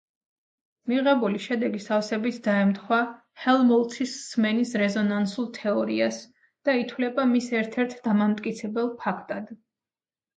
მიღებული შედეგი სავსებით დაემთხვა ჰელმჰოლცის სმენის რეზონანსულ თეორიას და ითვლება მის ერთ-ერთ დამამტკიცებელ ფაქტად.